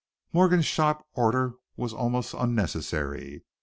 Morgan's sharp order was almost unnecessary.